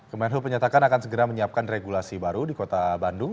kemenhub menyatakan akan segera menyiapkan regulasi baru di kota bandung